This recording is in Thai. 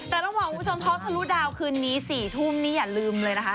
แต่ระหว่างผู้ชมทอดทะลุดาวคืนนี้๔ทุ่มนี้อย่าลืมเลยนะคะ